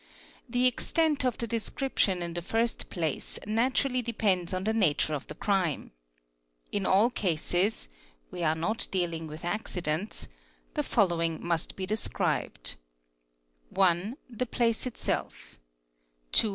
at The extent of the description in the first place naturally depends on ie nature of the crime. In all cases (we are not dealing with accidents) he following must be described :—' i. the place itself ; ii.